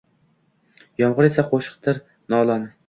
Yomgʼir esa qoʼshiqdir, nolon.